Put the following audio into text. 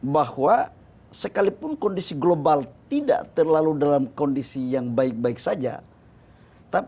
bahwa sekalipun kondisi global tidak terlalu dalam kondisi yang baik baik saja